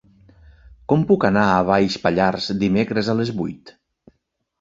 Com puc anar a Baix Pallars dimecres a les vuit?